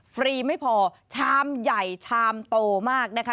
ฟรีไม่พอชามใหญ่ชามโตมากนะคะ